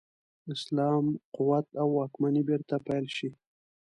اسلام قوت او واکمني بیرته پیل شي.